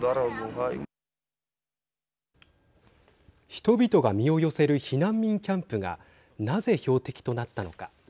人々が身を寄せる避難民キャンプがなぜ標的となったのか。